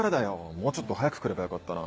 もうちょっと早く来ればよかったな。